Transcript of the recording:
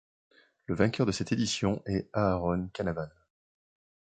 Le vainqueur de cette édition est Aaron Canavan.